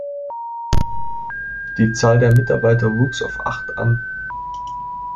Die Zahl der Mitarbeiter wuchs auf acht an.